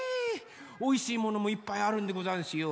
おいしいものもいっぱいあるんでござんすよ。